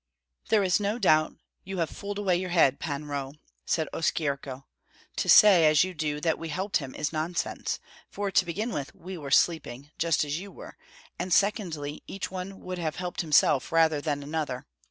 "There is no doubt you have fooled away your head, Pan Roh," said Oskyerko. "To say, as you do, that we helped him is nonsense; for, to begin with, we were sleeping, just as you were, and secondly, each one would have helped himself rather than another.